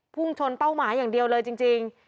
พุ่งชนเป้าหมายอย่างเดียวเลยจริง